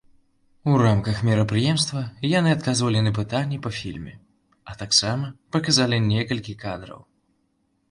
У рамках мерапрыемства яны адказвалі на пытанні па фільме, а таксама паказалі некалькі кадраў.